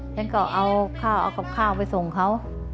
ฉันก็เอากับข้าวไปส่งเขา